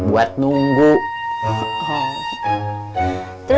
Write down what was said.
untuk mengingat dia